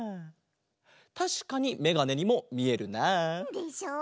たしかにめがねにもみえるなあ。でしょう？